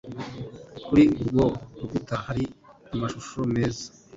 Kuri urwo rukuta hari amashusho meza.